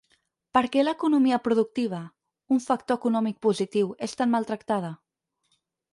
Per què l’economia productiva, un factor econòmic positiu, és tan maltractada?